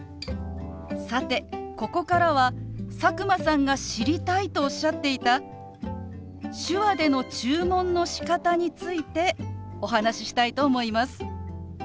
さてここからは佐久間さんが知りたいとおっしゃっていた手話での注文のしかたについてお話ししたいと思います。